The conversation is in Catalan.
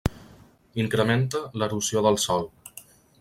Incrementa l'erosió del sòl.